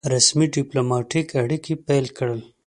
رسمي ډيپلوماټیک اړیکي پیل کړل.